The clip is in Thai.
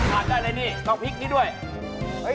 ผมฟังการละในนี่นอกพริกนี้ด้วย